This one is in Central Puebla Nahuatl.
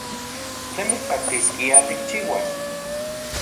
¿Tlen mitspaktiskia tikchiuas?